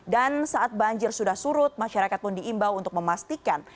dan saat banjir sudah surut masyarakat pun diimbau untuk memastikan